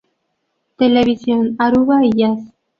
Televisión "Aruba y Jazz".